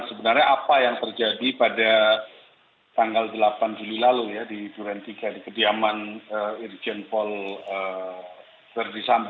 sebenarnya apa yang terjadi pada tanggal delapan juli lalu di durantika di kediaman irjen verdi sambo